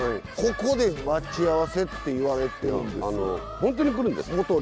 ここで待ち合わせって言われてるんですよ。